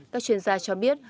các chuyên gia cho biết